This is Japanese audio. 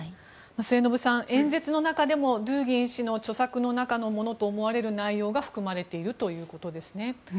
末延さん、演説の中でもドゥーギン氏の著作の中のものと思われる内容が含まれているということですね。